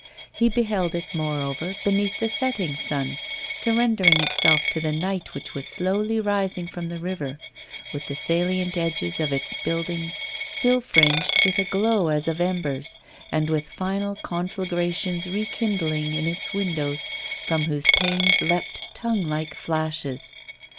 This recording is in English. He beheld it, moreover, beneath the setting sun, surrendering itself to the night which was slowly rising from the river, with the salient edges of its buildings still fringed with a glow as of embers, and with final conflagrations rekindling in its windows, from whose panes leapt tongue like flashes.